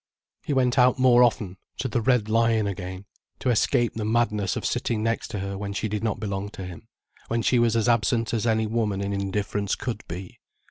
He went out more often, to the "Red Lion" again, to escape the madness of sitting next to her when she did not belong to him, when she was as absent as any woman in indifference could be.